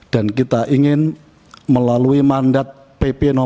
dan kita ingin melalui mandat pp no delapan belas